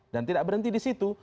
dan tidak berhenti di situ